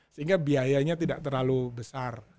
sehingga biayanya tidak terlalu besar